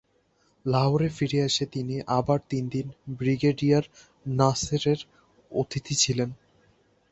লাহোর ফিরে এসে তিনি আবার তিনদিন ব্রিগেডিয়ার নাসেরের অতিথি ছিলেন।